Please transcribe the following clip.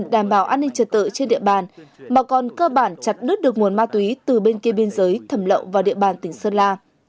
đảm bảo an ninh trật tự trên địa bàn mà còn cơ bản chặt đứt được nguồn ma túy từ bên kia biên giới thẩm lậu vào địa bàn tỉnh sơn la